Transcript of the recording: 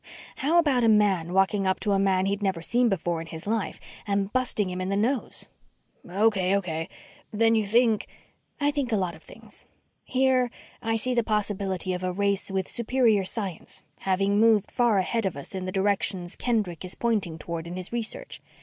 How about a man walking up to a man he'd never seen before in his life and busting him in the nose?" "Okay, okay. Then you think " "I think a lot of things. Here, I see the possibility of a race with superior science, having moved far ahead of us in the directions Kendrick is pointing toward in his research.